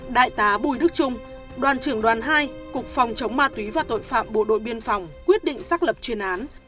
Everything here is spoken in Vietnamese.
đại tá bùi đức trung đoàn trưởng đoàn hai cục phòng chống ma túy và tội phạm bộ đội biên phòng quyết định xác lập chuyên án